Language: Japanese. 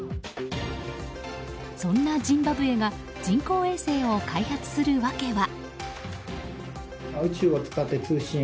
そんなジンバブエが人工衛星を開発する訳は。